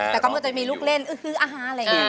แต่ก็มันจะมีลูกเล่นอื้อฮืออาหารอะไรอย่างนี้